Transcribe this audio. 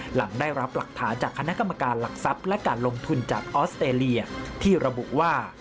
หลังได้รับหลักฐานจากคณะกรรมการหลักทรัพย์และการลงทุนจากออสเตรเลียที่ระบุว่า